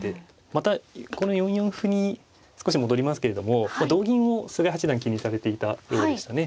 またこの４四歩に少し戻りますけれども同銀を菅井八段気にされていたようでしたね。